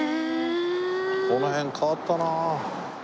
この辺変わったな。